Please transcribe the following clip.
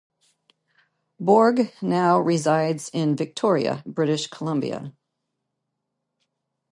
Borg now resides in Victoria, British Columbia.